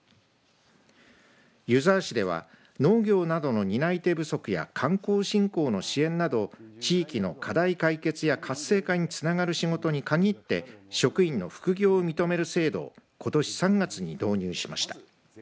湯沢市では農業などの担い手不足や観光振興の支援など地域の課題解決や活性化につながる仕事に限って職員の副業を認める制度をことし３月に導入しました。